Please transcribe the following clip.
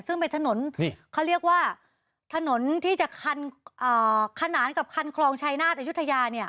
ซึ่งเป็นถนนเขาเรียกว่าถนนที่จะคันขนานกับคันคลองชายนาฏอายุทยาเนี่ย